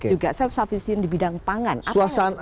juga self sufficient di bidang pangan